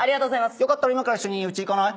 よかったら今から一緒にうち行かない？